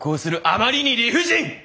あまりに理不尽！